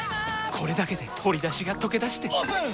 これだけで鶏だしがとけだしてオープン！